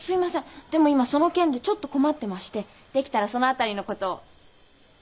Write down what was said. でも今その件でちょっと困ってましてできたらその辺りのことを。